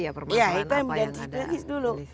ya perbuatan apa yang ada